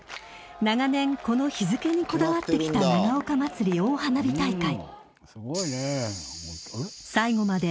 長年、この日付にこだわってきた長岡まつり大花火大会。